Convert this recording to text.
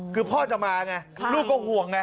คือพ่อจะมาไงลูกก็ห่วงไง